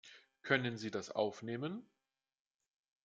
Können sie das aufnehmen?